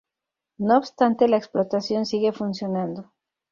No obstante, la explotación sigue funcionando.